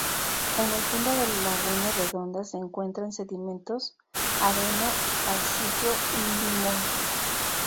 En el fondo de laguna Redonda se encuentran sedimentos areno-arcillo-limosos.